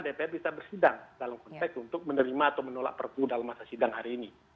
dpr bisa bersidang dalam konteks untuk menerima atau menolak perpu dalam masa sidang hari ini